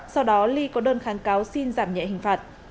sau đó ly có đơn kháng cáo xin giảm nhẹ hình phạt